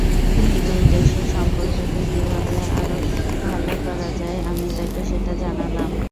দুই দেশের সম্পর্ককে কীভাবে আরও ভালো করা যায়, আমি তাঁকে সেটা জানালাম।